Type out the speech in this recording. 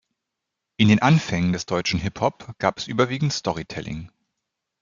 In den Anfängen des deutschen Hip-Hop gab es überwiegend Storytelling.